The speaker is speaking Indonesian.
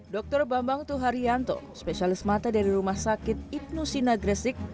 dr bambang tuharianto spesialis mata dari rumah sakit ibnusina gresik